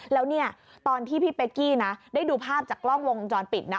แล้วเนี่ยตอนที่พี่เป๊กกี้นะได้ดูภาพจากกล้องวงจรปิดนะ